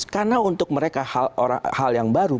karena untuk mereka hal yang baru